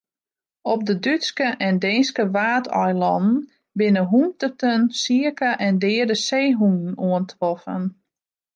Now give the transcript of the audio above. Op de Dútske en Deenske Waadeilannen binne hûnderten sike en deade seehûnen oantroffen.